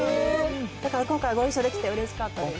だから今回、ご一緒できて、うれしかったです。